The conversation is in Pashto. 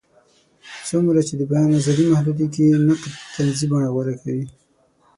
څومره چې د بیان ازادي محدودېږي، نقد طنزي بڼه غوره کوي.